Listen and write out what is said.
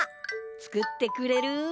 つくってくれる？